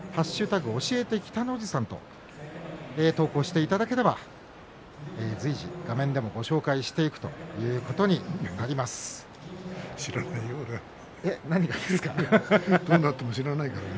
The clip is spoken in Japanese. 教えて北の富士さんと投稿していただければ随時、画面でも紹介していくということに知らないよ